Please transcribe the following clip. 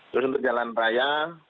terus untuk jalan raya